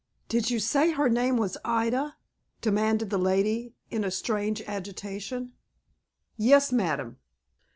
"Did you say her name was Ida?" demanded the lady, in strange agitation. "Yes, madam."